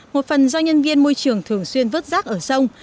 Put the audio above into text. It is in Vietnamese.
một phần do nhân viên môi trường thường xuyên vớt rác ở sông